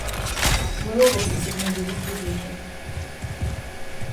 Мы оба присягнули Республике.